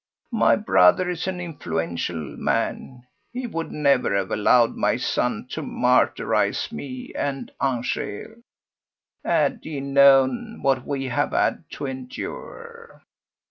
My brother is an influential man; he would never have allowed my son to martyrize me and Angèle had he known what we have had to endure."